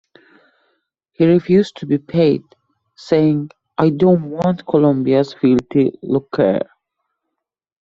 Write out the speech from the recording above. He refused to be paid, saying, 'I don't want Columbia's filthy lucre.